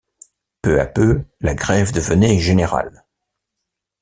Peu à peu, la grève devenait générale.